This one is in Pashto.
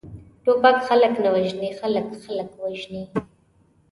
ټوپک خلک نه وژني، خلک، خلک وژني!